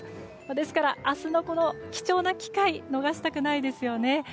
ですから明日の貴重な機会逃したくないですよね。